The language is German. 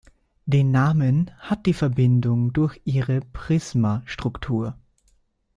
Den Namen hat die Verbindung durch ihre Prisma-Struktur.